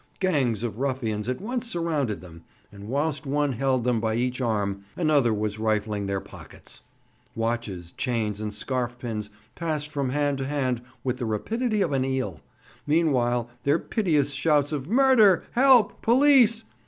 Gangs of ruffians at once surrounded them; and whilst one held them by each arm, another was rifling their pockets. Watches, chains, and scarf pins passed from hand to hand with the rapidity of an eel; meanwhile their piteous shouts of "Murder!" "Help!" "Police!"